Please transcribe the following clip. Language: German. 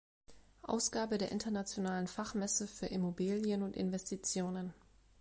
Ausgabe der Internationalen Fachmesse für Immobilien und Investitionen.